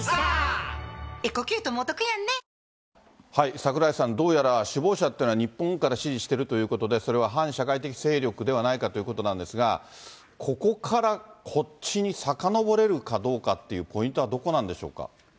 櫻井さん、どうやら首謀者というのは日本から指示しているということで、それは反社会的勢力ではないかということなんですが、ここからこっちにさかのぼれるかどうかっていうポイントはどこなんでしょうか。